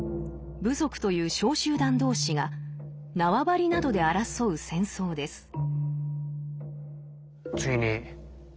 部族という小集団同士が縄張りなどで争う戦争です。